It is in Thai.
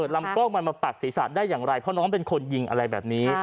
ลำกล้องมันมาปักศีรษะได้อย่างไรเพราะน้องเป็นคนยิงอะไรแบบนี้